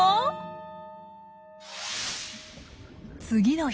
次の日。